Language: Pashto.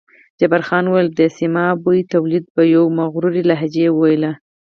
جبار خان وویل: د سیمابو تولید، په یوې مغرورې لهجې یې وویل.